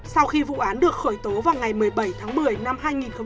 sau khi vụ án được khởi tố vào ngày một mươi bảy tháng một mươi năm hai nghìn một mươi ba